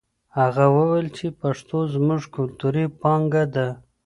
هغه وویل چې پښتو زموږ کلتوري پانګه ده.